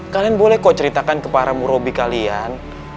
kalian boleh kok ceritakan ke para murobi kalian